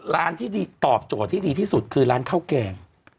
ร้านที่ดีตอบโจทย์ที่ดีที่สุดคือร้านข้าวแกง